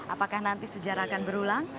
apakah nanti sejarah akan berulang